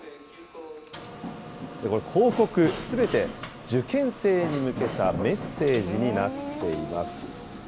これ、広告すべて、受験生に向けたメッセージになっています。